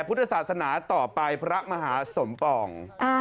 พุทธศาสนาต่อไปพระมหาสมปอง